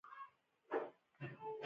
پړانګ د ژمي په موسم کې کم ښکار کوي.